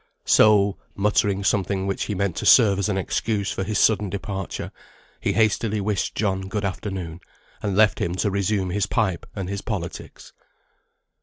So, muttering something which he meant to serve as an excuse for his sudden departure, he hastily wished John good afternoon, and left him to resume his pipe and his politics.